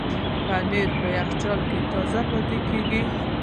پنېر په یخچال کې تازه پاتې کېږي.